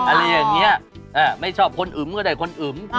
อะไรอย่างนี้ไม่ชอบคนอึมก็ได้คนอึม